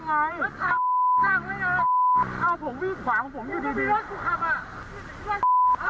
มีรถคลุกรับอ่ะมีรถคลุกรับอ่ะ